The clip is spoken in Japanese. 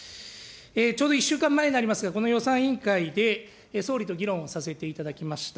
ちょうど１週間前になりますが、この予算委員会で総理と議論をさせていただきました。